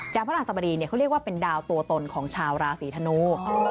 พระราชสบดีเขาเรียกว่าเป็นดาวตัวตนของชาวราศีธนู